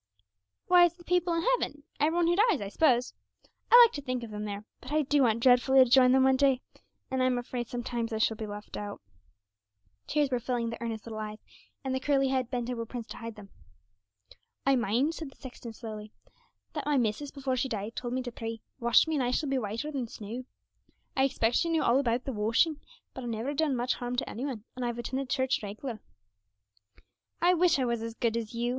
'Why, it's the people in heaven every one who dies, I s'pose. I like to think of them there, but I do want dreadfully to join them one day; and I'm afraid sometimes I shall be left out.' Tears were filling the earnest little eyes, and the curly head bent over Prince to hide them. 'I mind,' said the sexton slowly, 'that my missus, before she died, told me to pray, "Wash me, and I shall be whiter than snow." I expect she knew all about the washing, but I've never done much harm to any one, and I've attended church reg'lar.' 'I wish I was as good as you.'